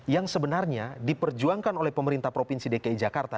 yang sebenarnya diperjuangkan oleh pemerintah provinsi dki jakarta